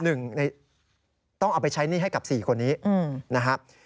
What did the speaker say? หนึ่งในต้องเอาไปใช้หนี้ให้กับ๔คนนี้นะครับ